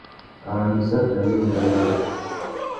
Arandissaki amê i mú dangari.